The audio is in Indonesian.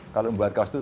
kalau membuat kaos itu